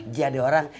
gak ada orang